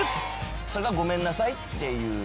それはごめんなさいっていう。